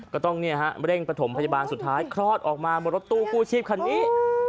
ก็ต้องเร่งประถมพยาบาลสุดท้ายคลอดออกมาบนรถตู้กู้ชีพคันนี้